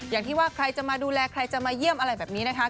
อย่างที่ว่าใครจะมาดูแลใครจะมาเยี่ยมอะไรแบบนี้นะคะ